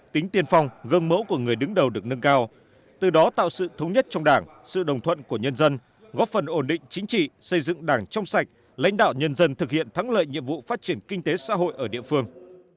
tính tiên phong gương mẫu của người đứng đầu được nâng cao từ đó tạo sự thống nhất trong đảng sự đồng thuận của nhân dân góp phần ổn định chính trị xây dựng đảng trong sạch lãnh đạo nhân dân thực hiện thắng lợi nhiệm vụ phát triển kinh tế xã hội ở địa phương